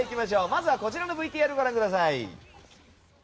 まずはこちらのＶＴＲご覧ください。